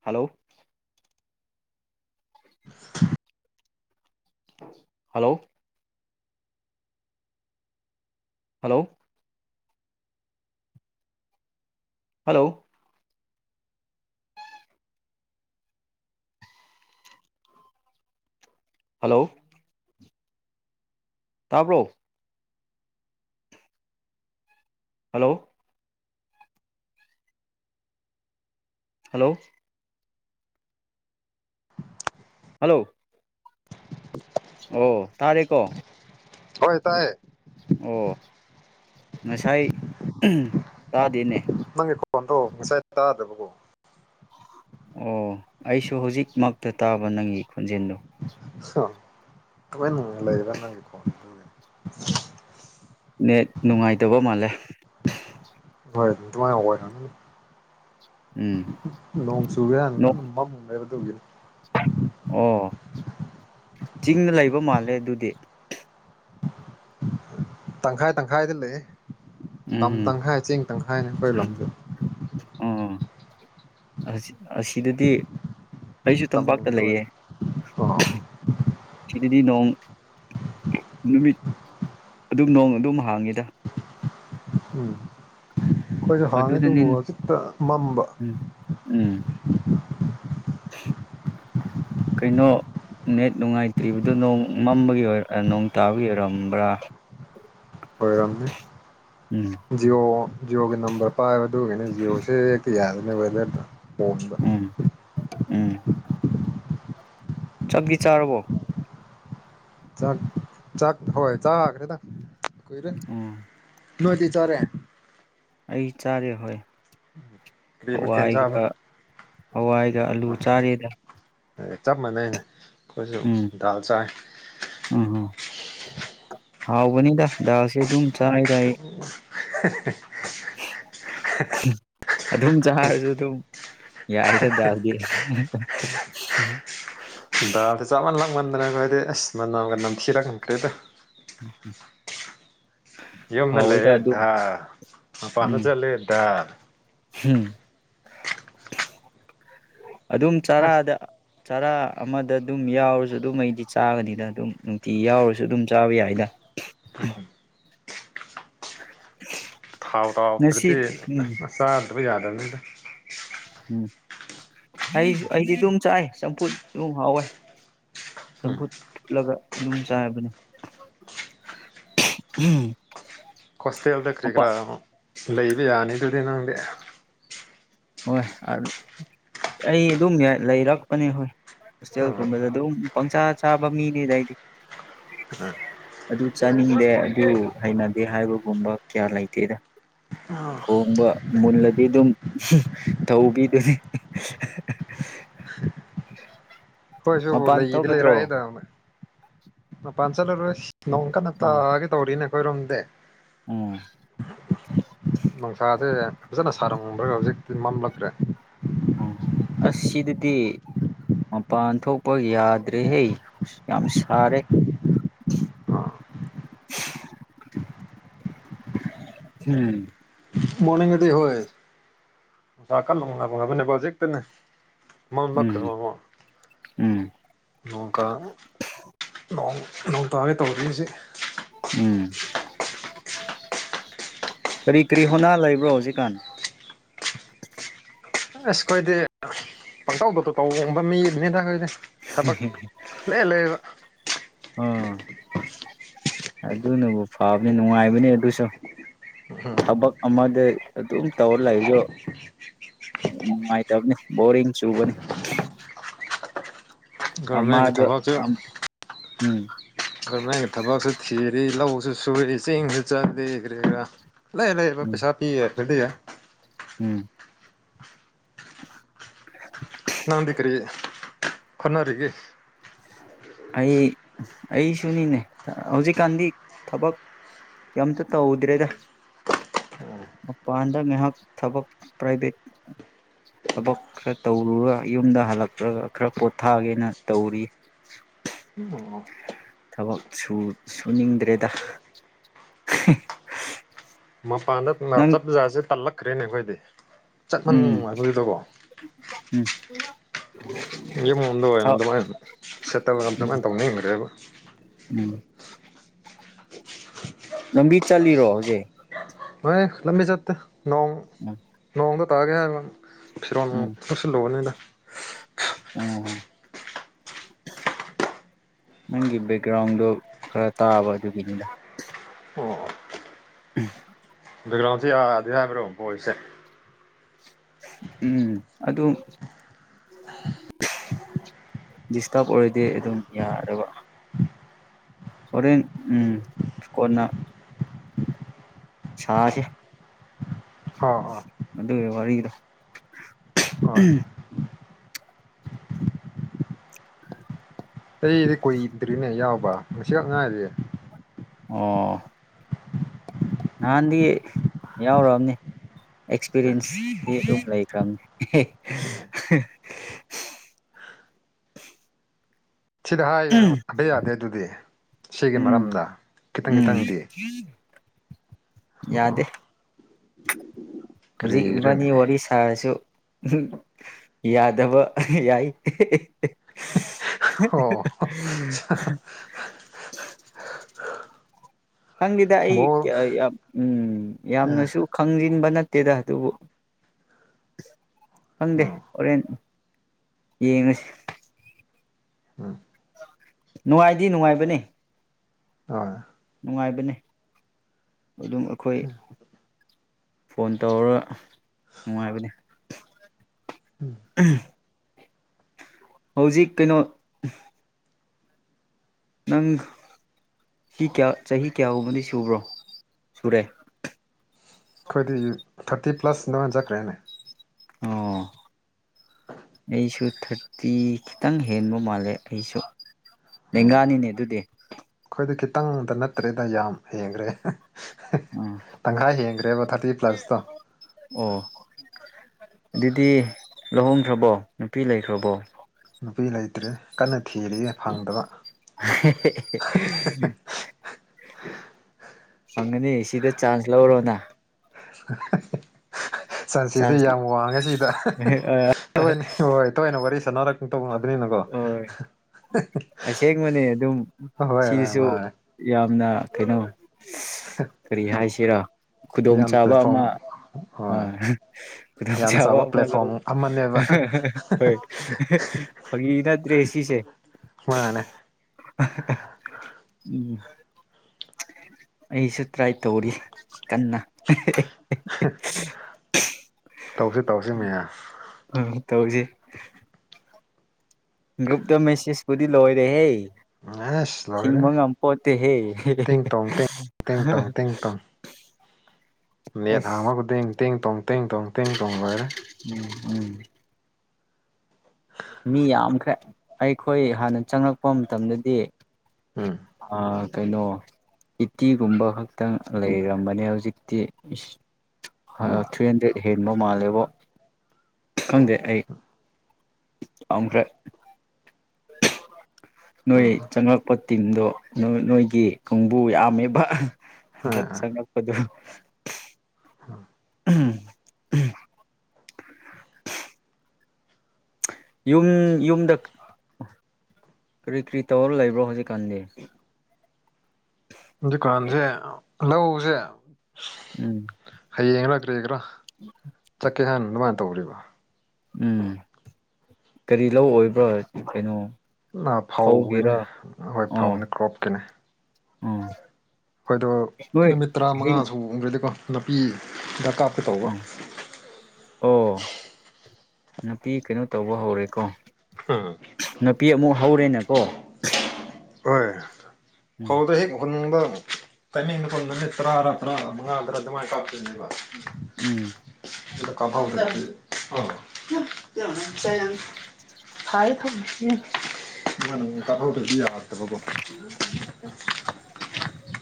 Hello [inaudible] hello hello hello hello ꯇꯥꯕ꯭ꯔꯣ hello hello hello [inaudible] ꯑꯣ ꯇꯥꯔꯦꯀꯣ ꯍꯣꯏ ꯇꯥꯏꯌꯦ ꯑꯣ ꯉꯁꯥꯏ ꯇꯥꯗꯦꯅꯦ ꯅꯪꯒꯤ ꯀꯣꯟꯣꯟꯗꯣ ꯉꯁꯥꯏ ꯇꯥꯗꯕꯀꯣ ꯑꯣ ꯑꯩꯁꯨ ꯍꯧꯖꯤꯛꯃꯛꯇ ꯇꯥꯕ ꯅꯪꯒꯤ ꯈꯣꯟꯖꯦꯜꯗꯣ ꯂꯩꯥꯏꯕꯀꯣ ꯅꯦ ꯅꯨꯡꯉꯥꯏꯇꯕ ꯃꯥꯜꯂꯦ ꯍꯃꯥꯏ ꯍꯋꯥ ꯊꯅ ꯎꯝ ꯂꯣꯡꯁꯨꯨꯒꯅ ꯅꯣ ꯀꯃ ꯃꯦꯒ ꯑꯣ ꯆꯤꯡꯗ ꯂꯩꯕ ꯃꯥꯜꯂꯦ ꯑꯗꯨꯗꯤ ꯇꯪꯈꯥꯏ ꯇꯪꯈꯥꯏꯗ ꯂꯩꯦ ꯇꯝ ꯎꯝ ꯇꯪꯈꯥꯏ ꯆꯦꯡ ꯇꯪꯈꯥꯏꯅꯦ ꯑꯩꯈꯣꯏ ꯂꯝꯖꯦ ꯑꯣ ꯑꯁꯤꯗꯗꯤ ꯑꯩꯁꯨ ꯇꯝꯄꯥꯛꯇ ꯇꯝꯂꯣꯝꯗ ꯂꯩꯌꯦ ꯑꯣꯏꯕ ꯑꯣ ꯁꯤꯗꯗꯤ ꯅꯣꯡ ꯅꯨꯃꯤꯠ ꯑꯗꯨꯝ ꯅꯣꯡ ꯑꯗꯨꯝ ꯍꯥꯡꯉꯤꯗ ꯎꯝ ꯑꯩꯈꯣꯏꯁꯨ ꯍꯥꯡꯉꯤ ꯑꯗꯨꯗꯅꯤ ꯑꯗꯨꯕꯨ ꯍꯧꯖꯤꯛꯇ ꯃꯝꯕ ꯎꯝ ꯎꯝ ꯀꯩꯅꯣ ꯅꯦꯠ ꯅꯨꯡꯉꯥꯏꯇ꯭ꯔꯤꯕꯗꯨ ꯅꯣꯡ ꯃꯝꯕꯒꯤ ꯅꯣꯡ ꯇꯥꯕꯒꯤ ꯑꯣꯏꯔꯝꯕ꯭ꯔꯥ ꯝꯅꯤ ꯎꯝ ꯖꯤꯑꯣ ꯖꯤꯑꯣꯒꯤ ꯅꯝꯕꯔ ꯄꯥꯏꯕ ꯑꯗꯨꯒꯤꯅꯦ ꯖꯤꯌꯑꯣꯁꯦ ꯍꯦꯛꯛꯇ ꯌꯥꯗꯅꯦ ꯋꯦꯗꯔꯗ ꯐꯣꯟꯗ ꯎꯝ ꯎꯝ ꯆꯞꯕꯤ ꯆꯥꯔꯕꯣ ꯆꯥꯛ ꯆꯥꯛ ꯍꯣꯏ ꯆꯥꯈ꯭ꯔꯦꯗ ꯀꯨꯏꯔꯦ ꯎꯝ ꯗꯤ ꯆꯔꯦ ꯑꯩ ꯆꯥꯔꯦ ꯍꯣꯏ ꯀꯔꯤ ꯃꯊꯦꯜ ꯍꯋꯥꯏꯒ ꯆꯥꯕ ꯍꯋꯥꯏꯒ ꯑꯂꯨ ꯆꯥꯔꯦꯗ ꯑ ꯆꯞ ꯃꯥꯟꯅꯩꯅ ꯑꯩꯈꯣꯏꯁꯨ ꯎꯝ ꯗꯥꯜ ꯆꯥꯏ ꯎꯝ ꯎꯝ ꯍꯥꯎꯕꯅꯤꯗ ꯗꯥꯁꯦ ꯑꯗꯨꯝ ꯆꯥꯏꯔꯏ [inaudible] ꯑꯗꯨꯝ ꯆꯔꯁꯨ ꯑꯗꯨꯝ ꯌꯥꯏꯗꯗꯥꯗꯤ ꯎ ꯗꯥꯜꯁꯦ ꯆꯞ ꯃꯟ ꯂꯛꯃꯟꯗꯅꯈꯣ ꯍꯥꯏꯗꯤ ꯑꯁ ꯃꯅꯝꯒ ꯅꯝꯊꯤꯔ ꯉꯝꯈ꯭ꯔꯦꯗꯣ ꯎꯝ ꯎꯝ ꯌꯨꯝꯗ ꯂꯩꯌꯦꯦ ꯃꯄꯥꯟꯗ ꯎꯝ ꯆꯠꯂꯦ ꯎꯝ ꯑꯗꯨꯝ ꯑꯁ ꯆꯥꯔꯥꯗ ꯆꯔꯥ ꯑꯃꯗ ꯑꯗꯨꯝ ꯌꯥꯎꯔꯁꯨ ꯑꯗꯨꯝ ꯑꯩꯗꯤ ꯆꯥꯒꯅꯤꯗ ꯑꯗꯨꯝ ꯅꯨꯡꯇꯤ ꯌꯥꯎꯔꯁꯨ ꯑꯗꯨꯝ ꯆꯥꯕ ꯌꯥꯏꯗ ꯎ [inaudible] ꯊꯥꯎ ꯉꯁꯤ ꯊꯥꯎꯗ꯭ꯔꯗꯤ ꯎꯝ ꯅꯆꯥꯗꯕ ꯌꯥꯗꯕꯅꯤꯗ꯫ ꯎꯝ ꯑꯩꯁꯨ ꯑꯩꯗꯤ ꯑꯗꯨꯝ ꯆꯥꯏ ꯆꯝꯐꯨꯠ ꯑꯗꯨꯝ ꯍꯥꯎꯋꯦ꯫ ꯎꯝ ꯆꯝꯐꯨꯠ ꯐꯨꯠꯔꯒ ꯑꯗꯨꯝ ꯆꯥꯕꯅꯤ꯫ ꯍꫭꯁꯇꯦꯜꯗ ꯀꯔꯤ ꯀ꯭ꯔꯥ ꯑ ꯂꯩꯕ ꯌꯥꯅꯤ ꯑꯗꯨꯗꯤ ꯅꯪꯗꯤ꯫ ꯍꯣꯏ ꯑ ꯑꯩ ꯑꯗꯨꯝ ꯂꯩꯔꯛꯄꯅꯤ ꯍꯣꯏ꯫ ꯎꯝ ꯍꯣꯁꯇꯦꯜꯒꯨꯝꯕꯗ ꯑꯗꯨꯝ ꯄꯪꯆꯥ ꯆꯥꯕ ꯃꯤꯅꯦꯗ ꯑꯩꯗꯤ꯫ ꯑ ꯑꯗꯨ ꯆꯥꯅꯤꯡꯗꯦ ꯑꯗꯨ ꯍꯩꯅꯗꯦ ꯍꯥꯏꯕꯒꯨꯝꯕ ꯀꯌꯥ ꯂꯩꯇꯦꯗ꯫ ꯊꯣꯡꯕ ꯃꯨꯜꯂꯗꯤ ꯑꯗꯨꯝ ꯇꯧꯕꯤꯗꯨꯅꯤ꯫ ꯈꯣꯏꯁꯨ ꯃꯄꯥꯟ ꯂꯩꯗꯤ ꯊꯣꯛꯀꯗ꯭ꯔꯣ ꯂꯩꯔꯛꯏꯗ ꯃꯄꯥꯟ ꯆꯠꯂꯔ ꯅꯣꯡ ꯀꯟꯅ ꯇꯥꯒꯦ ꯇꯧꯔꯤꯅꯦ ꯑꯩꯈꯣꯏꯔꯣꯝꯗꯤ꯫ ꯑꯣ ꯅꯨꯡꯁꯥꯁꯦ ꯐꯖꯅ ꯁꯥꯔꯝꯕ꯭ꯔ ꯍꯧꯖꯤꯛꯇꯤ ꯃꯥꯝꯂꯛꯈ꯭ꯔꯦ꯫ ꯎꯝ ꯑꯁ ꯁꯤꯗꯗꯤ ꯃꯄꯥꯟ ꯊꯣꯛꯄ ꯌꯥꯗ꯭ꯔꯦꯍꯦ ꯌꯥꯝ ꯁꯥꯔꯦ꯫ [unintelligible] ꯎꯝ ꯃꯣꯔꯅꯤꯡꯗꯗꯤ ꯍꯣꯏ ꯗꯥꯛꯀ ꯂꫭꯡꯅꯕ ꯍꯧꯖꯤꯛꯇꯅꯦ꯫ ꯃꯥ ꯃꯥ ꯎꯝ ꯀꯔꯃꯃꯣ ꯎꯝ ꯅꯣꯡꯀꯥ‌ꯅꫭꯡ ꯅꯣꯡ ꯇꯥꯒꯦ ꯇꯧꯔꯤꯁꯤ ꯎꯝ ꯀꯔꯤ ꯀꯔꯤ ꯍꯣꯅꯥ ꯂꯩꯕ꯭ꯔꯣ ꯍꯧꯖꯤꯛꯀꯥꯟ꯫ ꯑꯁ ꯈꯣꯏꯗꯤ ꯄꯪꯇꯧꯗꯗꯣ ꯇꯧꯕ ꯃꯤꯅꯤꯗ ꯑꯩꯈꯣꯏꯗꯤ꯫ ꯊꯕꯛ ꯂꯩ ꯂꯩꯕꯥ ꯑꯥ ꯑꯗꯨꯅꯕꯨ ꯐꯕꯅꯤ ꯅꯨꯡꯉꯥꯏꯕꯅꯤ ꯑꯗꯨꯁꯨ ꯊꯕꯛ ꯑꯃꯗ ꯑꯗꯨꯝ ꯇꯧꯔ ꯂꯩꯁꯨ ꯅꯨꯡꯉꯥꯏ ꯇꯕꯅꯤ ꯕꯣꯔꯤꯡ ꯆꯨꯕꯅꯤ꯫ ꯒꯣꯔꯃꯦꯟꯒꯤ ꯑꯃꯥꯗꯨ ꯑ ꯎꯝ ꯀꯔꯃꯦꯟꯒꯤ ꯊꯕꯛ ꯆꯠꯈꯤꯔꯗꯤ ꯂꯧꯁꯨ ꯁꯨꯔꯤ ꯆꯤꯡꯁꯨ ꯆꯠꯂꯤ ꯀꯔꯤ ꯔꯥ꯫ ꯂꯩ ꯂꯩ ꯎꯝ ꯄꯩꯁꯥ ꯄꯤ ꯐꯗꯤ ꯎꯝ ꯅꯥꯡꯗꯤ ꯀꯔꯤ ꯍꫭꯠꯅꯔꯤꯒꯦ꯫ ꯑꯩ ꯑꯩꯁꯨꯅꯤꯅꯦ ꯍꯧꯖꯤꯛꯀꯥꯟꯗꯤ ꯊꯕꯛ ꯀꯩꯝꯇ ꯇꯧꯗ꯭ꯔꯦꯗ꯫ ꯃꯄꯥꯟꯗ ꯉꯥꯏꯍꯥꯛ ꯊꯕꯛ ꯄ꯭ꯔꯥꯏꯚꯦꯠ ꯊꯕꯛ ꯈꯔ ꯇꯧꯔꯨꯔ ꯌꯨꯝꯗ ꯍꯜꯂꯛꯔꯒ ꯈꯔ ꯄꯣꯊꯥꯒꯦꯅ ꯇꯧꯔꯤ꯫ ꯑꫭ ꯊꯕꯛ ꯁꯨ ꯁꯨꯅꯤꯡꯗ꯭ꯔꯦꯗ꯫ [unintelligible] ꯃꯄꯥꯟꯗ ꯅꯥ ꯅꯪ ꯆꯠ ꯖꯥꯁꯦ ꯇꯜꯂꯛꯈ꯭ꯔꯦꯅꯦ ꯑꯈꯣꯏꯗꯤ꯫ ꯆꯠꯐꯝ ꯎꯝ ꯅꯨꯡꯉꯥꯏꯕꯗꯨꯗꯀꯣ꯫ [unintelligible] ꯒꯤ ꯃꯑꫭꯡꯗ ꯑꫭꯏꯔꯝꯒ ꯗꯃꯥꯏꯅ ꯎꯝ ꯁꯠꯇꯗꯃꯥꯏꯅ ꯇꯧꯅꯤꯡꯔꯦꯕ꯫ ꯎꯝ ꯂꯝꯕꯤ ꯆꯜꯂꯤꯔꯣ ꯍꯧꯖꯤꯛ꯫ ꯃꯥꯅꯦ ꯂꯝꯕꯤ ꯆꯠꯇꯦ ꯅꯣꯡ ꯎꯝ ꯅꯣꯡꯗ ꯇꯥꯒ ꯍꯥꯏꯕ ꯐꯤꯔꯣꯟ ꯂꯧꯁꯜꯂꯨꯕꯅꯤꯗ꯫ ꯑꫭ ꯅꯪꯒꯤ ꯕꯦꯛꯒ꯭ꯔꯥꯎꯟꯗꯣ ꯈꯔ ꯇꯥꯕ ꯑꯗꯨꯒꯤꯅꯤꯗ꯫ ꯎꯝ ꯭ꯔꯥꯎꯁꯤ ꯑꯗꯤ ꯍꯥꯏꯕ꯭ꯔꯣ ꯄꯣ ꯑꯩꯁꯦ ꯎꯝ ꯑꯗꯨꯗ ꯗꯤꯁꯇꯥꯔꯕ ꯑꯣꯏꯔꯗꯤ ꯑꯗꯨꯝ ꯌꯥꯔꯕ ꯍꯣꯔꯦꯟ ꯎꯝ ꯀꯣꯟꯅ ꯆꯥꯁ ꯑꯥ ꯑꯥ ꯑꯗꯨ ꯋꯥꯔꯤꯔꯒꯤꯗ ꯍꯣꯏ ꯑꯩꯗꯤ ꯀꯨꯏꯗ꯭ꯔꯤꯅꯦ ꯌꯥꯎꯕ ꯉꯁꯤꯈ ꯉꯥꯏꯔꯤꯦ ꯑꯣ ꯅꯍꯥꯟꯗꯤ ꯌꯥꯎꯔꯑꯕꯅꯤ ꯑꯦꯛꯁꯄꯤꯔꯤꯌꯦꯟꯁ ꯑꯗꯨꯝ ꯂꯩꯈ꯭ꯔꯕ ꯁꯤꯗ ꯍꯥꯏ ꯍꯥꯏꯕ ꯌꯥꯗꯦ ꯑꯗꯨꯗꯤ ꯁꯤꯒꯤ ꯎꯝ ꯃꯔꯝꯅ ꯈꯤꯇꯪ ꯎꯝ ꯈꯤꯇꯪꯗꯤ ꯑꯣ ꯌꯥꯗꯦ ꯍꯧꯖꯤꯛ ꯏꯕꯥꯅꯤ ꯀꯔꯤꯒꯤꯔꯅꯦ ꯋꯥꯔꯤ ꯁꯥꯔꯁꯨ ꯌꯥꯗꯕ ꯌꯥꯏ [inaudible] [inaudible] ꯑꯣ ꯈꯪꯗꯦꯗ ꯑꯩ ꯕꯣꯜ ꯌꯥꯝ ꯎꯝ ꯑꯥ ꯌꯥꯝꯅꯁꯨ ꯈꯪꯖꯤꯟꯕ ꯅꯠꯇꯦꯗ ꯑꯗꯨꯕꯨ ꯈꯪꯗꯦ ꯑꯣ ꯍꯣꯔꯦꯟ ꯌꯦꯡꯉꯨꯁꯤ ꯎꯝ ꯅꯨꯡꯉꯥꯏꯗꯤ ꯅꯨꯡꯉꯥꯏꯕꯅꯦ ꯍꯣꯏ ꯅꯨꯡꯉꯥꯏꯕꯅꯦ ꯑꯗꯨꯝ ꯑꯩꯈꯣꯏ ꯐꯣꯟ ꯇꯧꯔꯒ ꯅꯨꯡꯉꯥꯏꯕꯅꯦ ꯎꯝ ꯍꯧꯖꯤꯛ ꯀꯩꯅꯣ ꯅꯪ ꯁꯤ ꯀꯌꯥ ꯆꯍꯤ ꯀꯌꯥꯒꯨꯝꯕꯗꯤ ꯁꯨꯕ꯭ꯔꯣ ꯁꯨꯔꯦ ꯑꯩꯈꯣꯏꯗꯤ ꯊꯥꯔꯇꯤ ꯄ꯭ꯂꯁ ꯅ ꯑꯣꯏꯅ ꯆꯠꯈ꯭ꯔꯦꯅꯦ ꯑꯣ ꯑꯩꯁꯨ ꯊꯥꯔꯇꯤ ꯈꯤꯇꯪ ꯍꯦꯟꯕ ꯃꯥꯜꯂꯦ ꯑꯩꯁꯨ ꯂꯦꯡꯒꯥꯅꯤꯅꯦ ꯑꯗꯨꯗꯤ ꯑꯗꯨ ꯈꯤꯇꯪꯗ ꯅꯠꯇ꯭ꯔꯦꯗ ꯌꯥꯝ ꯍꯡꯈ꯭ꯔꯦ ꯑꯥ ꯇꯪꯈꯥꯏ ꯍꯦꯟꯈ꯭ꯔꯦꯕ ꯊꯥꯔꯇꯤ ꯄ꯭ꯂꯁꯇꯣ ꯑꯣ ꯑꯗꯨꯗꯤ ꯂꯧꯍꯣꯡꯈ꯭ꯔꯕꯣ ꯅꯨꯄꯤ ꯂꯩꯈ꯭ꯔꯕꯣ ꯅꯨꯄꯤ ꯂꯩꯇ꯭ꯔꯦ ꯀꯟꯅ ꯊꯤꯔꯤꯌꯦ ꯐꯪꯗꯕ ꯐꯪꯒꯅꯤ ꯁꯤꯗ ꯆꯥꯟꯁ ꯂꯧꯔꯣꯅ ꯁꯟꯁꯤꯁꯨ ꯆꯥꯟꯁ ꯌꯥꯝ ꯋꯥꯡꯉꯦ ꯁꯤꯗ ꯇꯣꯏꯅ ꯍꯣꯏ ꯇꯣꯏꯅ ꯋꯥꯔꯤ ꯁꯥꯟꯅꯔꯛ ꯇꯧꯕ ꯑꯗꯨ ꯅꯀꯣ ꯍꯣꯏ ꯑꯁꯦꯡꯕꯅꯦ ꯑꯗꯨꯝ ꯍꯣꯏ ꯍꯣꯏ ꯁꯤꯗꯁꯨ ꯍꯣꯏ ꯌꯥꯝꯅ ꯀꯩꯅꯣ ꯀꯔꯤ ꯍꯥꯏꯁꯤꯔ ꯌꯥꯝ ꯈꯨꯗꯣꯡꯆꯥꯥꯕ ꯄ꯭ꯂꯦꯠꯐꯣꯝ ꯑꯃꯣꯏ ꯍꯣꯏ ꯌꯥꯝꯅ ꯈꯨꯗꯣꯡꯆꯥꯥꯕ ꯆꯥꯎꯕ ꯑꯃ ꯂꯧ ꯄ꯭ꯂꯦꯠꯐꯣꯝ ꯑꯃꯅꯦꯕ ꯍꯣꯏ ꯐꯒꯤ ꯅꯠꯇ꯭ꯔꯦ ꯁꯤꯁꯦ ꯃꯥꯅꯦ ꯎꯝ ꯑꯩꯁꯨ ꯇ꯭ꯔꯥꯏ ꯇꯧꯔꯤ ꯀꯟꯅ ꯇꯧꯁꯤ ꯇꯧꯁꯤ ꯃ ꯇꯧꯁꯤ ꯭ꯔꯨꯞꯇ ꯃꯦꯁꯦꯁ ꯀꯗꯤ ꯂꯑꯣ ꯑꯣꯏꯔꯦꯍꯦ ꯑꯁ ꯂꯣꯏꯔꯦ ꯁꯤꯤꯡꯃꯒ ꯑꯃꯄꯣꯠꯇ ꯍꯦ ꯇꯤꯡ ꯇꯣꯡ ꯇꯤꯡ ꯇꯤꯡ ꯃꯦꯠ ꯍꯥꯡꯃꯒꯗꯤꯦꯡ ꯇꯦꯡ ꯇꯣꯡ ꯇꯦꯡ ꯇꯣꯡ ꯇꯦꯡ ꯇꯣꯡ ꯂꯣꯏꯔꯦ ꯎꯝ ꯎꯝ ꯃꯤ ꯌꯥꯝꯈ꯭ꯔꯦ ꯑꯩꯈꯣꯏ ꯍꯥꯟꯅ ꯆꯪꯂꯛꯄ ꯃꯇꯝꯗꯗꯤ ꯎꯝ ꯑ ꯀꯩꯅꯩꯅꯣ ꯏꯇꯤꯒꯨꯝꯕ ꯈꯛꯇꯪ ꯂꯩꯔꯝꯕꯅꯦ ꯍꯧꯖꯤꯛꯇꯤ ꯍ ꯎꯝ ꯊ꯭ꯔꯤ ꯍꯟꯗ꯭ꯔꯦꯗ ꯍꯦꯟꯕ ꯃꯥꯜꯂꯦꯕꯣ ꯈꯪꯗꯦ ꯑꯩ ꯑꯈ꯭ꯔꯦ ꯅꯣꯏ ꯆꯪꯂꯉꯛꯄ ꯇꯤꯝꯗꯣ ꯅꯣꯏꯒꯤ ꯈꯣꯡꯕꯨ ꯌꯥꯝꯃꯤꯕ ꯍꯟꯗꯛ ꯎꯝ ꯆꯪꯉꯛꯄꯗꯨ ꯑ ꯎꯝ ꯌꯨꯝ ꯌꯨꯝꯗ ꯀꯔꯤ ꯀꯔꯤ ꯇꯧꯔ ꯂꯩꯕ꯭ꯔꯣ ꯍꯧꯖꯤꯛꯀꯥꯟꯗꯤ ꯍꯧꯖꯤꯛꯀꯥꯟꯁꯦ ꯂꯧꯁꯦ ꯎꯝ ꯍꯌꯦꯡꯥ ꯀ꯭ꯔꯦꯒ꯭ꯔꯥ ꯆꯠꯀꯦꯍꯥꯟ ꯑꯗꯨꯃꯥꯏꯅ ꯇꯧꯔꯤꯕ ꯎꯝ ꯀꯔꯤ ꯂꯧꯑꯣꯕ꯭ꯔꯣ ꯀꯩꯅꯣ ꯑ ꯐꯧꯒꯤꯅꯦ ꯐꯧꯒꯤꯔꯥ ꯑꯩꯣꯏ ꯑꯣ ꯐꯧꯅꯦ ꯀ꯭ꯔꯣꯞꯀꯤꯅꯦ ꯑꯣ ꯍꯣꯏꯗꯣ ꯅꯣꯏ ꯅꯨꯃꯤꯠ ꯍꯤꯡ ꯇꯔꯥꯃꯉꯥ ꯁ ꯎꯗ꯭ꯔꯗꯤꯀꯣ ꯅꯨꯅꯥꯄꯤ ꯗꯔꯀꯥꯞ ꯎ ꯑꯣ ꯅꯨꯄꯤ ꯀꯩꯅꯣ ꯇꯧꯕ ꯍꯧꯔꯦꯀꯣ ꯎꯝ ꯅꯨꯄꯤ ꯑꯃꯨꯛ ꯍꯧꯔꯦꯅꯀꯣ ꯍꯣꯏ ꯎꯝ ꯐꯧꯗꯣ ꯍꯦꯛ ꯍꯨꯟꯅꯤꯡꯕ ꯇꯥꯏꯃꯤꯡꯗ ꯅꯨꯃꯤꯠ ꯇꯔꯥꯥ ꯇꯔꯥ ꯃꯉꯥ ꯇꯔꯥ ꯑꯗꯨꯃꯥꯏꯅ ꯀꯥꯞꯣꯏꯅꯦꯕ ꯎꯝ ꯀ ꯊꯥꯏ ꯊ ꯀ [unintelligible]